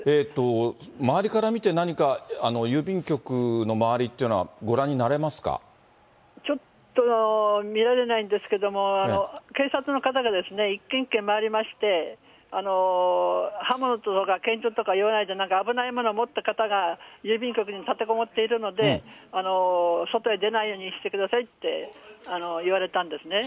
周りから見て、何か郵便局の周りというのは、ご覧になれますか？ちょっと、見られないんですけども、警察の方がですね、一軒一軒回りまして、刃物とか拳銃とか危ないものを持った方が郵便局に立てこもっているので、外へ出ないようにしてくださいって言われたんですね。